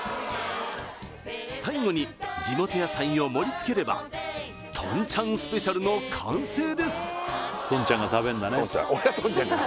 最後に地元野菜を盛りつければとんちゃんスペシャルの完成です